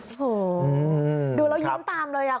โอ้โหดูแล้วยิ้มตามเลยอ่ะ